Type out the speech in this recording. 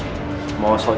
karu aba liat kan